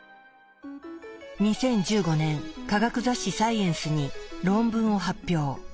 ２０１５年科学雑誌「サイエンス」に論文を発表。